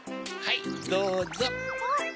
はいどうぞ。